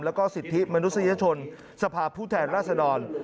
แล้วก็สิทธิมนุษยชนสภาพผู้แทนราษดร